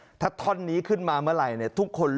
และก็มีการกินยาละลายริ่มเลือดแล้วก็ยาละลายขายมันมาเลยตลอดครับ